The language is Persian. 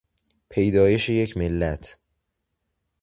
پیدایش یک ملت